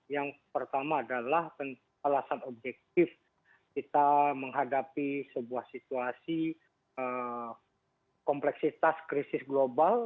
yang pertama adalah alasan objektif kita menghadapi sebuah situasi kompleksitas krisis global